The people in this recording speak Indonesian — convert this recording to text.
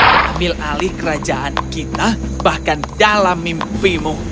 ambil alih kerajaan kita bahkan dalam mimpimu